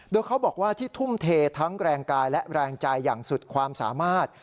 โดยเขาบอกว่าที่ทุ่มเททั้งแรงกายและแรงใจอย่างสุดความสามารถ